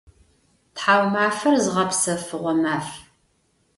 Тхьаумафэр зыгъэпсэфыгъо маф.